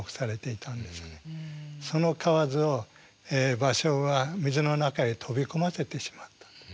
その蛙を芭蕉は水の中へ飛び込ませてしまったと。